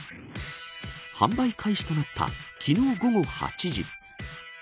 販売開始となった昨日午後８時。